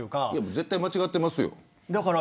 絶対、間違ってますよ。